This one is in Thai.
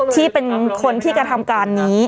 ที่เป็นคนที่กระทำการนี้